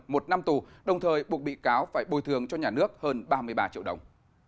một năm tù đồng thời buộc bị cáo phải bồi thường cho nhà nước hơn ba mươi ba triệu đồng